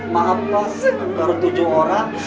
maaf pak baru tujuh orang